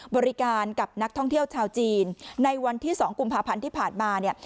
บริการกับนักท่องเที่ยวชาวจีนในวันที่๒กุมภาพันธ์ที่ผ่านมาเนี่ย